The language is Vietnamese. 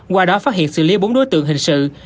qua đó phát hiện xử lý bốn đối tượng hình sự